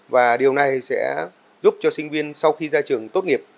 và điều này sẽ giúp cho sinh viên sau khi ra trường tốt nghiệp